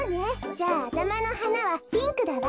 じゃああたまのはなはピンクだわ。